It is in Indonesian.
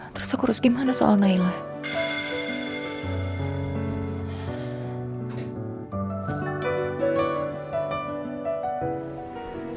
terus aku harus gimana soal naila